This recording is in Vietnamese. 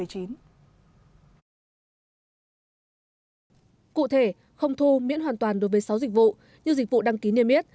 cụ thể không thu miễn hoàn toàn đối với sáu dịch vụ như dịch vụ đăng ký niêm yết